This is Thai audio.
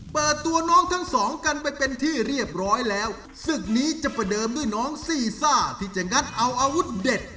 เปิดตัวน้องทั้งสองกันไปเป็นที่เรียบร้อยแล้วศึกนี้จะประเดิมด้วยน้องซี่ซ่าที่จะงัดเอาอาวุธเด็ด